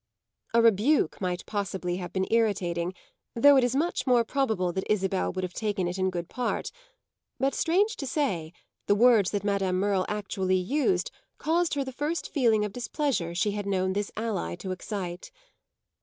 A rebuke might possibly have been irritating, though it is much more probable that Isabel would have taken it in good part; but, strange to say, the words that Madame Merle actually used caused her the first feeling of displeasure she had known this ally to excite.